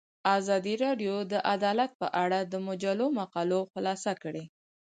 ازادي راډیو د عدالت په اړه د مجلو مقالو خلاصه کړې.